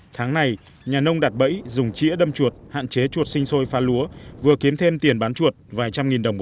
tháng này nhà nông đạt bẫy dùng chĩa đâm chuột hạn chế chuột sinh sôi pha lúa vừa kiếm thêm tiền bán chuột vài trăm nghìn đồng một